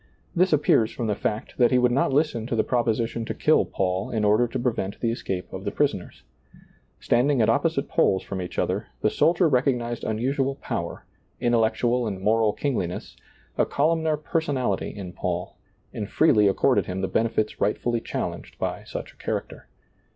This appears from the fact that he would not listen to the proposition to kill Paul in order to prevent the escape of the prisoners. Standing at opposite poles from each other, the soldier recognized unusual power, intellectual and moral kingliness, a columnar personality in Paul, and freely accorded him the benefits rightfully challenged by such a character.